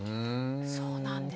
そうなんですね。